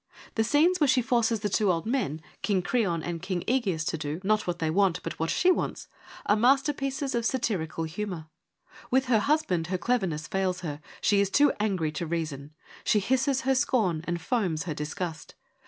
The scenes where she forces the two old men, ' King ' Creon and ' King ' dEgeus to do, not what they want, but what she wants, are masterpieces of satirical humour. With her husband her cleverness fails her : she is too angry to reason : she hisses her scorn and foams her disgust.